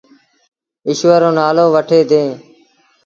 ايٚشور رو نآلو وٺيٚن ديٚݩ۔